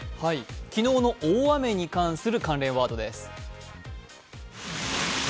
昨日の大雨に関連する関連ワードです。